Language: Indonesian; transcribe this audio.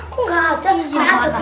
kok gak ada